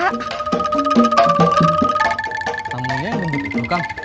namanya yang nunggu tidur kang